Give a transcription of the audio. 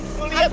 kau lihat dong